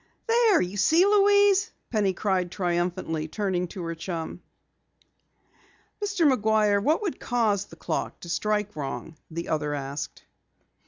"There! You see, Louise!" Penny cried triumphantly, turning to her chum. "Mr. McGuire, what would cause the clock to strike wrong?" the other asked.